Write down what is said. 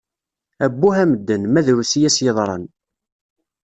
Abbuh a medden, ma drus i as-yeḍran.